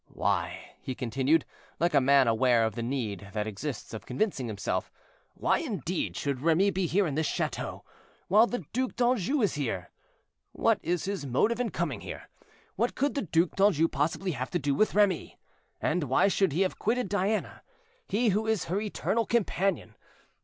"Why," he continued, like a man aware of the need that exists of convincing himself, "why, indeed, should Remy be here in this chateau, while the Duc d'Anjou is here? What is his motive in coming here? What can the Duc d'Anjou possibly have to do with Remy? And why should he have quitted Diana—he, who is her eternal companion?